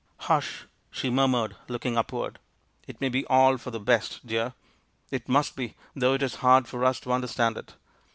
"Hush," she murmured, looking upward; "it may be all for the best, dear — it must be — though it is hard for us to understand it.